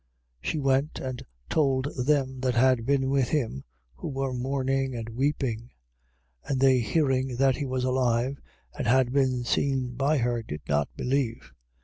16:10. She went and told them that had been with him, who were mourning and weeping. 16:11. And they hearing that he was alive and had been seen by her, did not believe.